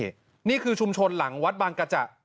นี่คือชุมชนหลังวัดบางกระจะ